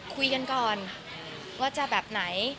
คุยกันก่อนว่าจะแบบไหน